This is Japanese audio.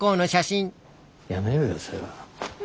やめようよそれは。